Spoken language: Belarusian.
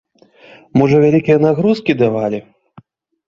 Можа, вялікія нагрузкі давалі?